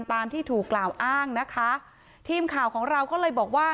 ตามที่ถูกกล่าวอ้างนะคะทีมข่าวของเราก็เลยบอกว่า